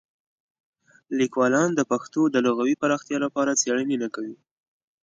لیکوالان د پښتو د لغوي پراختیا لپاره څېړنې نه کوي.